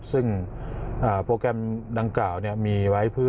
ซึ่งโปรแกรมดังกล่าวมีไว้เพื่อ